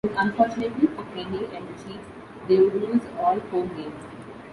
Unfortunately for Kenney and the Chiefs, they would lose all four games.